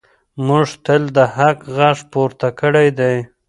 موږ تل د حق غږ پورته کړی دی.